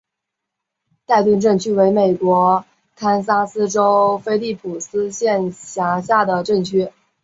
代顿镇区为美国堪萨斯州菲利普斯县辖下的镇区。